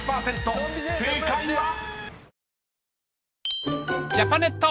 正解は⁉］